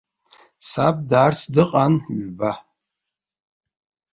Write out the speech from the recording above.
Саб даарц дыҟан, ҩба.